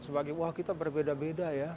sebagai wah kita berbeda beda ya